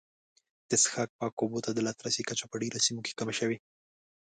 د څښاک پاکو اوبو ته د لاسرسي کچه په ډېرو سیمو کې کمه شوې.